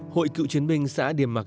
hội cựu chiến binh xã điềm mạc